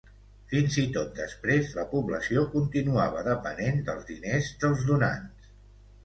Fins i tot després, la població continuava depenent dels diners dels donants.